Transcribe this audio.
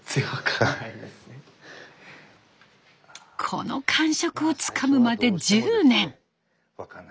この感触をつかむまで１０年。